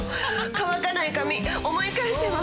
乾かない髪思い返せば